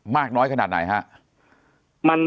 มากน้อยขนาดไหนครับ